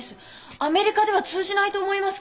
アメリカでは通じないと思いますけど。